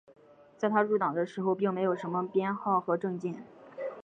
在他入党的时候并没有什么编号和证件。